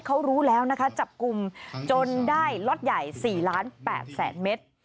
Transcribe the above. เขารู้แล้วนะคะจับกลุ่มจนได้ล็อตใหญ่๔ล้าน๘แสนเมตร